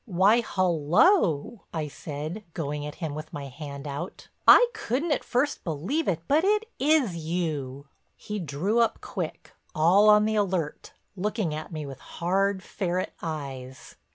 "Why, hullo," I said, going at him with my hand out, "I couldn't at first believe it—but it is you." He drew up quick, all on the alert, looking at me with hard, ferret eyes.